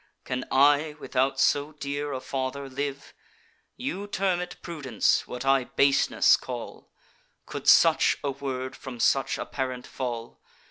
Can I, without so dear a father, live? You term it prudence, what I baseness call: Could such a word from such a parent fall?